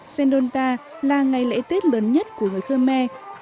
sendonta là ngày lễ tết truyền thống chứa đựng những giá trị nhân văn sâu sắc